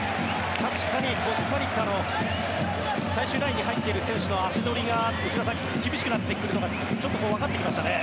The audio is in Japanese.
確かにコスタリカの最終ラインに入ってる選手の足取りが内田さん、厳しくなってくるのがちょっとわかってきましたね。